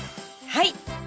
はい！